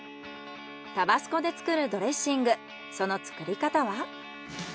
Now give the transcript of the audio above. タバスコで作るドレッシングその作り方は？